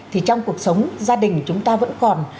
thì trong cuộc sống gia đình chúng ta vẫn còn